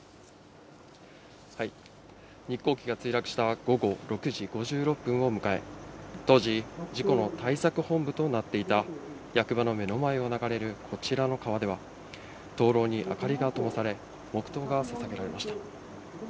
日航機が墜落した午後６時５６分を迎え、当時、事故の対策本部となっていた役場の目の前を流れるこちらの川では、灯籠に明かりがともされ、黙とうがささげられました。